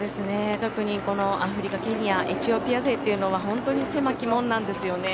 特にアフリカ、ケニアエチオピア勢というのは本当に狭き門なんですよね。